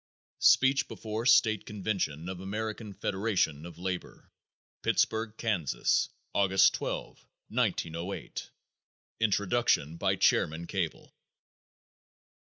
Speech Before State Convention of American Federation of Labor, Pittsburg, Kansas, August 12, 1908. Introduction by Chairman Cable.